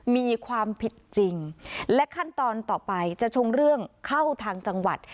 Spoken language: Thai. มีความผิดจริงและขั้นตอนต่อไปจะชงเรื่องเข้าทางจังหวัด